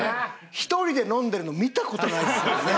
１人で飲んでるの見た事ないですもんね。